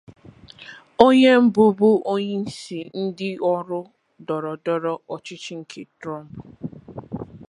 onye bụbu onye isi ndị ọrụ ndọrọdọrọ ọchịchị nke Trump